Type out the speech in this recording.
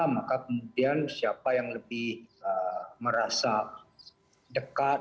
maka kemudian siapa yang lebih merasa dekat